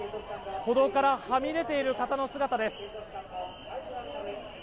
歩道からはみ出ている人の姿です。